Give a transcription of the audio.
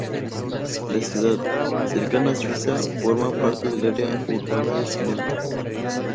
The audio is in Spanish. La ciudad, cercana a Suiza, forma parte del área urbana de Ginebra.